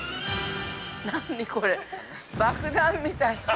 ◆何これ、爆弾みたい？